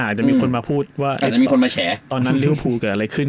อาจจะมีคนมาพูดว่าตอนนั้นเรื่องภูมิเกิดอะไรขึ้น